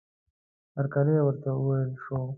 هرکلی ورته وویل شو.